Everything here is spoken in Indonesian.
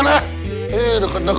dia tidur sendiri